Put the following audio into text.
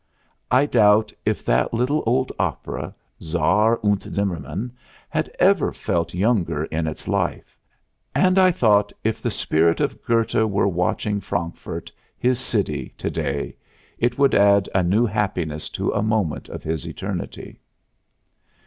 I doubt if that little old opera, Czaar und Zimmermann, had ever felt younger in its life; and I thought if the spirit of Goethe were watching Frankfurt, his city, to day, it would add a new happiness to a moment of his Eternity.